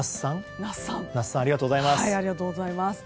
ナスさんありがとうございます。